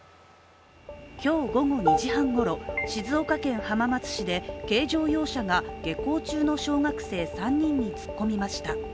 今日午後２時半ごろ、静岡県浜松市で軽乗用車が下校中の小学生３人に突っ込みました。